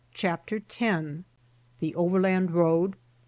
CHAPTER X. THE OVERLAND ROAD.